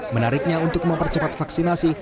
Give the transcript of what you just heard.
menariknya untuk mempercepat vaksinasi